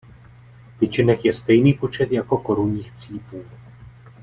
Tyčinek je stejný počet jako korunních cípů.